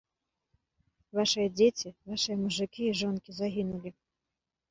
Вашыя дзеці, вашыя мужыкі і жонкі загінулі.